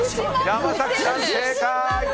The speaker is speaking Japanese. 山崎さん、正解！